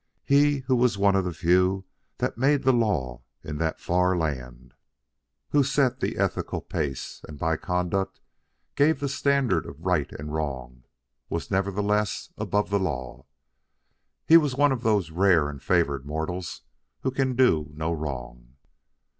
He, who was one of the few that made the Law in that far land, who set the ethical pace, and by conduct gave the standard of right and wrong, was nevertheless above the Law. He was one of those rare and favored mortals who can do no wrong.